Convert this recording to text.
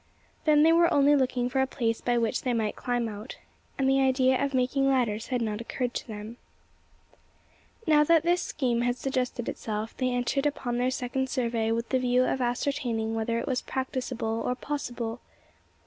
Then they were only looking for a place by which they might climb out; and the idea of making ladders had not occurred to them. Now that this scheme had suggested itself, they entered upon their second survey with the view of ascertaining whether it was practicable or possible.